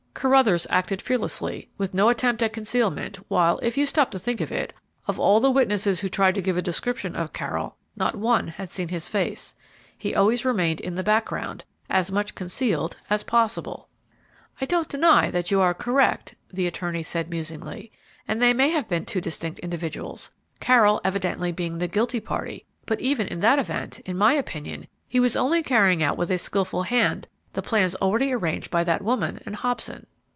Carruthers acted fearlessly, with no attempt at concealment; while, if you will stop to think of it, of all the witnesses who tried to give a description of Carroll, not one had seen his face. He always remained in the background, as much concealed as possible." "I don't deny that you are correct," the attorney said musingly; "and they may have been two distinct individuals, Carroll evidently being the guilty party; but even in that event, in my opinion, he was only carrying out with a skillful hand the plans already arranged by that woman and Hobson."